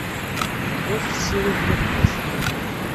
Ur tessiridem iqbac.